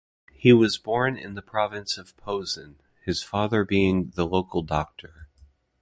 He was born in the province of Posen, his father being the local doctor.